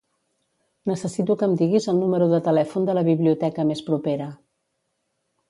Necessito que em diguis el número de telèfon de la biblioteca més propera.